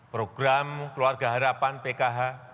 program keluarga harapan pkh